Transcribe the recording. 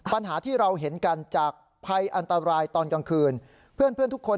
ปัญหาที่เราเห็นกันจากภัยอันตรายตอนกลางคืนเพื่อนทุกคน